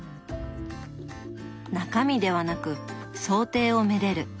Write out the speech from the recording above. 中身ではなく装丁を愛でる。